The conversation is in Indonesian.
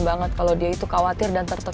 bisnis daddy undog gara gara kamu